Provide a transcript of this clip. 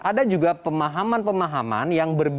ada juga pemahaman pemahaman yang berbeda